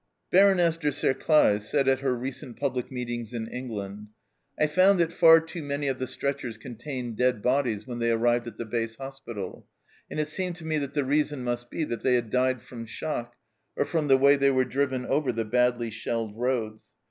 Baroness de T'Serclaes said at her recent public meetings in England :" I found that far too many of the stretchers contained dead bodies when they arrived at the base hospital, and it seemed to me that the reason must be that they had died from shock or from the way they were driven over the badly shelled roads.